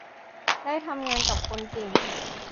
ได้ทำงานกับคนเก่ง